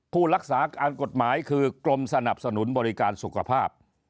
ผู้รักษาการกฎหมายคือกรมสนับสนุนบริการสุขภาพ